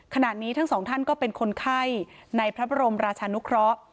ขณะนี้ทั้งสองท่านก็เป็นคนไข้ในพระบรมราชานุเคราะห์